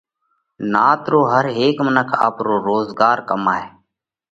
نات رو هر هيڪ منک آپرو روزڳار ڪمائہ۔